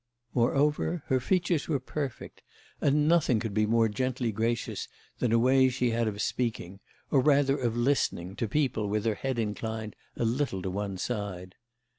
Moreover her features were perfect, and nothing could be more gently gracious than a way she had of speaking, or rather of listening, to people with her head inclined a little to one side.